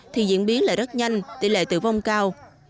thì diễn biến lại rất nhanh tỷ lệ tử vong cao